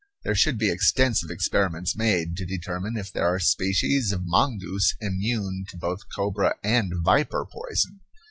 There should be extensive experiments made to determine if there are species of mongoose immune to both cobra and viper poison.